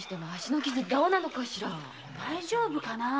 大丈夫かな？